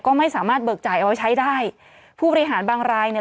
ก็ไม่สามารถเบิกจ่ายเอาไว้ใช้ได้ผู้บริหารบางรายเนี่ย